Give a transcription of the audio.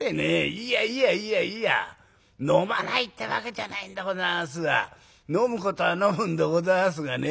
いやいやいやいや飲まないってわけじゃないんでございますが飲むことは飲むんでございますがね